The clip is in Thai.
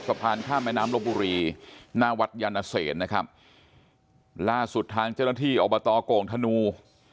สะพานข้ามแม่น้ำลบบุรีหน้าวัดยานเศษนะครับล่าสุดทางเจ้าหน้าที่อบตโก่งธนู